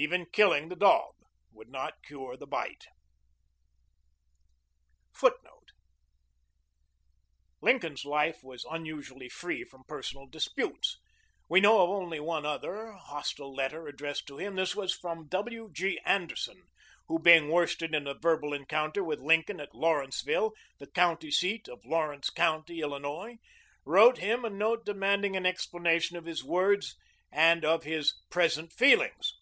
Even killing the dog would not cure the bite. [Relocated Footnote: Lincoln's life was unusually free from personal disputes. We know of only one other hostile letter addressed to him. This was from W. G. Anderson, who being worsted in a verbal encounter with Lincoln at Lawrenceville, the county seat of Lawrence County, Ill., wrote him a note demanding an explanation of his words and of his "present feelings."